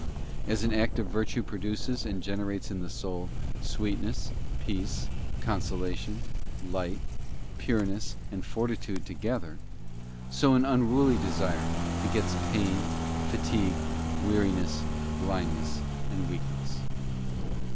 As an act of virtue produces and generates in the soul sweetness, peace, consolation, light, pureness, and fortitude together, so an unruly desire begets pain, fatigue, weariness, blindness, and weakness.